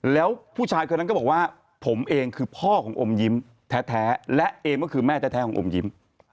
แล้วผู้ชายคนนั้นก็บอกว่าผมเองคือพ่อของอมยิ้มแท้และเอมก็คือแม่แท้ของอมยิ้ม